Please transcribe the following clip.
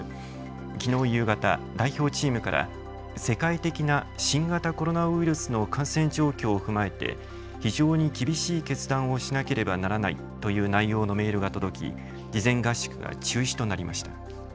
きのう夕方、代表チームから世界的な新型コロナウイルスの感染状況を踏まえて非常に厳しい決断をしなければならないという内容のメールが届き、事前合宿が中止となりました。